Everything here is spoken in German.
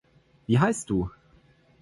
Wie heißt Du?